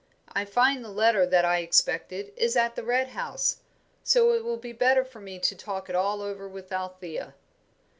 I find the letter that I expected is at the Red House, so it will be better for me to talk it all over with Althea."